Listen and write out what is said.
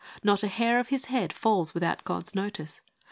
Not a hair of his head falls without God's notice.